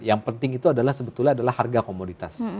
yang penting itu adalah sebetulnya adalah harga komoditas